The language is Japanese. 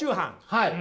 はい。